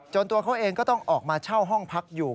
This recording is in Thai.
ตัวเขาเองก็ต้องออกมาเช่าห้องพักอยู่